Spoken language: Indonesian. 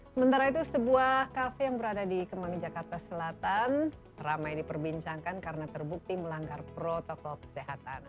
sementara itu sebuah kafe yang berada di kemang jakarta selatan ramai diperbincangkan karena terbukti melanggar protokol kesehatan